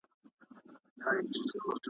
تاریخ د ملتونو یاد ساتي.